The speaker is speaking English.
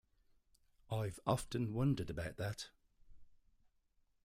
I've often wondered about that.